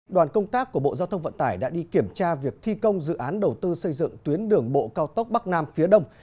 đoàn công tác của bộ giao thông vận tải đã đi kiểm tra việc thi công dự án đầu tư xây dựng tuyến đường bộ cao tốc bắc nam phía đông